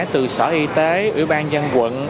từ sở y tế ủy ban dân quận